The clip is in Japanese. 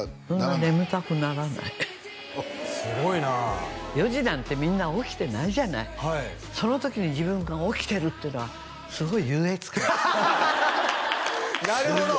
眠たくならないすごいなあ４時なんてみんな起きてないじゃないその時に自分が起きてるっていうのはすごい優越感ハハハハハッなるほど！